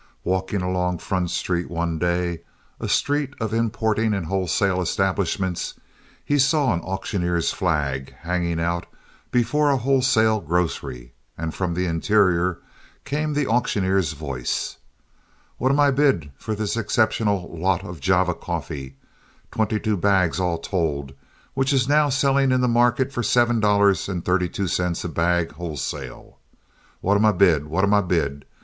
Walking along Front Street one day, a street of importing and wholesale establishments, he saw an auctioneer's flag hanging out before a wholesale grocery and from the interior came the auctioneer's voice: "What am I bid for this exceptional lot of Java coffee, twenty two bags all told, which is now selling in the market for seven dollars and thirty two cents a bag wholesale? What am I bid? What am I bid?